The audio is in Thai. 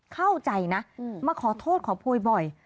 เข้าใจนะมาขอโทษขอโพยบ่อย